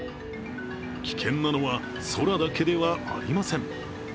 危険なのは空だけではありません。